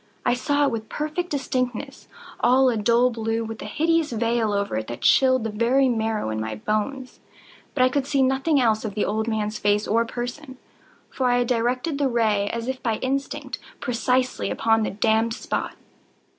I saw it with perfect distinctness—all a dull blue, with a hideous veil over it that chilled the very marrow in my bones; but I could see nothing else of the old man's face or person: for I had directed the ray as if by instinct, precisely upon the damned spot.